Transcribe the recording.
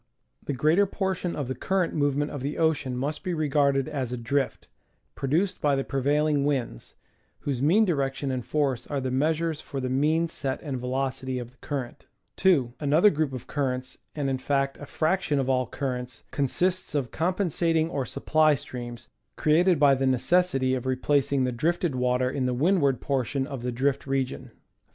The greater portion of the current movement of the ocean must be regarded as a drift, produced by the prevailing winds, whose mean direction and force are the measures for the mean set and velocity of the current. 2. Another group of currents, and in fact a fraction of all cur rents, consists of compensating or supply streams, created by the necessity of replacing the drifted water in the windward portion of the drift region.